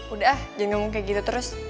udah ah jangan ngomong kayak gitu terus